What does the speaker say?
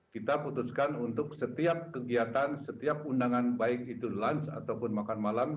kita putuskan untuk setiap kegiatan setiap undangan baik itu dilakukan dan setiap kegiatan yang diperlukan kita lakukan